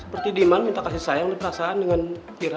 seperti diman minta kasih sayang dan perasaan dengan ira